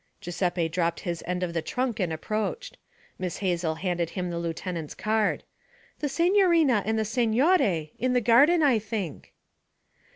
Giuseppe dropped his end of a trunk and approached. Miss Hazel handed him the lieutenant's card. 'The signorina and the signore in the garden, I think.'